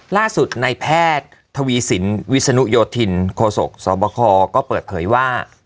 ล่าสุดในแพทย์ทวีสินวิศนุโยธินโคศกสบคก็เปิดเผยว่า